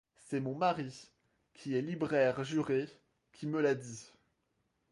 C’est mon mari, qui est libraire-juré, qui me l’a dit.